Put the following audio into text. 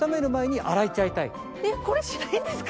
えっこれしないんですか？